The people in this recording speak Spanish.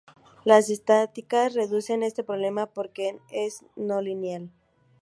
La estadística reduce este problema, porque es no lineal.